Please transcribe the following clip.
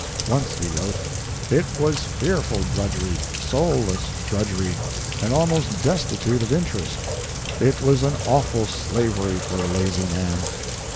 Once he wrote: "It was fearful drudgery soulless drudgery and almost destitute of interest. It was an awful slavery for a lazy man."